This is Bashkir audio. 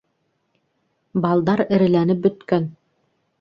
Балдар эреләнеп бөткән!